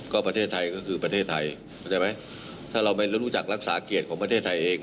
ก็ประเทศไทยก็คือประเทศไทยเข้าใจไหมถ้าเราไม่รู้จักรักษาเกียรติของประเทศไทยเอง